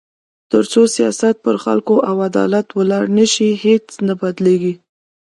تر څو سیاست پر خلکو او عدالت ولاړ نه شي، هیڅ نه بدلېږي.